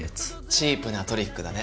チープなトリックだね。